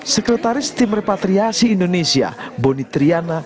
sekretaris timur patriasi indonesia boni triana